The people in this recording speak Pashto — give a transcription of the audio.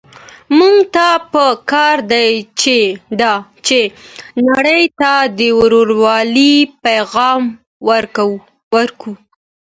موږ ته په کار ده چي نړۍ ته د ورورولۍ پيغام ورکړو.